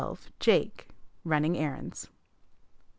Jake. Running errands.